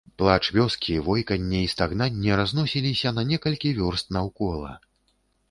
Плач вёскі, войканне і стагнанне разносіліся на некалькі вёрст наўкола.